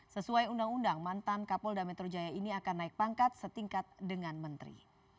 sesuai undang undang mantan kapolda metro jaya ini akan naik pangkat setingkat dengan menteri